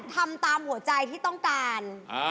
ทำตามหัวใจที่ต้องการ